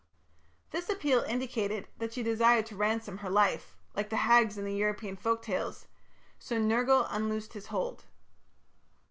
This appeal indicated that she desired to ransom her life like the hags in the European folk tales so Nergal unloosed his hold.